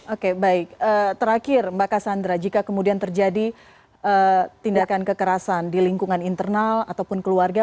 oke baik terakhir mbak cassandra jika kemudian terjadi tindakan kekerasan di lingkungan internal ataupun keluarga